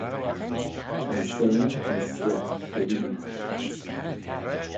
Ta'n seihll ayns slane irree-magh.